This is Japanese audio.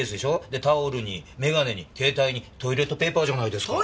でタオルにメガネに携帯にトイレットペーパーじゃないですか。